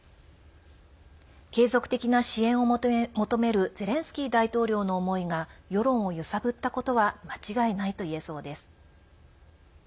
継続的な支援を求めるゼレンスキー大統領の思いが世論を揺さぶったことは間違いないといえそうです。